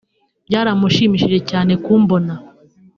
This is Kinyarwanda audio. Byaramushimishije cyane kumbona